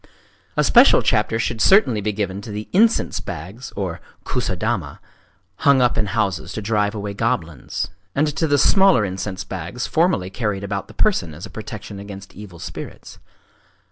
A special chapter should certainly be given to the incense bags (kusadama) hung up in houses to drive away goblins,—and to the smaller incense bags formerly carried about the person as a protection against evil spirits.